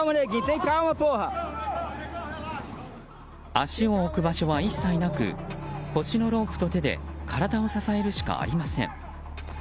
足を置く場所は一切なく腰のロープと手で体を支えるしかありません。